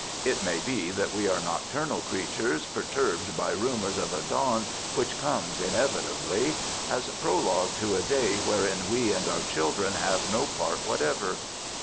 It may be that we are nocturnal creatures perturbed by rumors of a dawn which comes inevitably, as prologue to a day wherein we and our children have no part whatever.